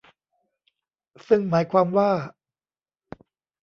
ซึ่งหมายความว่า